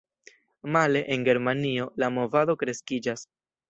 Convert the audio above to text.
Male, en Germanio, la movado kreskiĝas.